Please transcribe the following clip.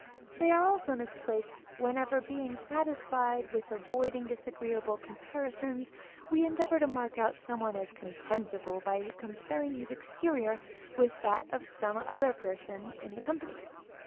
They are also misplaced, whenever, being satisfied with avoiding disagreeable comparisons, we endeavor to mark out some one as contemptible, by comparing his exterior with that of some other person in the company.